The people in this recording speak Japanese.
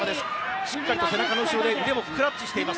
しっかり背中の後ろでクラッチしています。